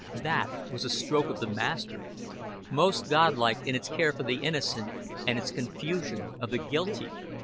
That was a stroke of the Master: most Godlike in its care for the innocent and its confusion of the guilty.